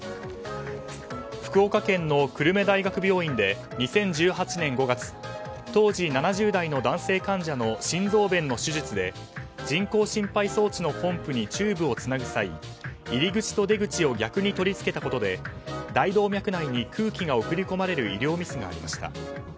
福岡県の久留米大学病院で２０１８年５月当時７０代の男性患者の心臓弁の手術で人工心肺装置のポンプにチューブをつなぐ際入り口と出口を逆に取り付けたことで大動脈内に空気が送り込まれる医療ミスがありました。